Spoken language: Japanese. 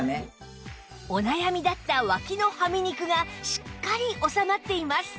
お悩みだった脇のはみ肉がしっかり収まっています